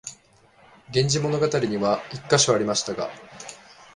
「源氏物語」には一カ所ありましたが、